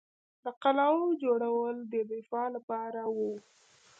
د قلعو جوړول د دفاع لپاره وو